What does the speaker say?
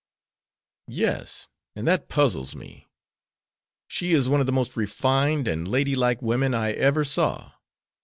"Yes; and that puzzles me. She is one of the most refined and lady like women I ever saw.